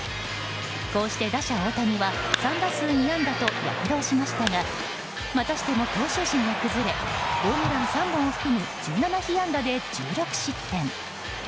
こうして打者・大谷は３打数２安打と躍動しましたがまたしても投手陣が崩れホームラン３本を含む１７被安打で１６失点。